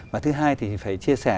và thứ hai thì phải chia sẻ